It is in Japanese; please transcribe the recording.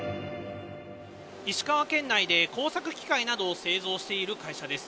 石川県内で耕作機械などを製造している会社です。